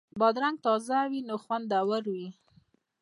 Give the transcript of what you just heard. بادرنګ تازه وي نو خوندور وي.